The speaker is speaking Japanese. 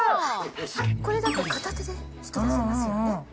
これだと片手で引き出せますよね。